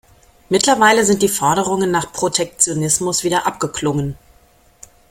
Mittlerweile sind die Forderungen nach Protektionismus wieder abgeklungen.